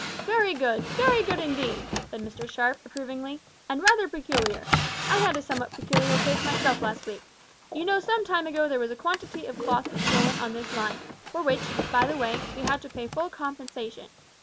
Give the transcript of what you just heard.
"Very good, very good, indeed," said Mr Sharp, approvingly, "and rather peculiar. I had a somewhat peculiar case myself last week. You know some time ago there was a quantity of cloth stolen on this line, for which, by the way, we had to pay full compensation.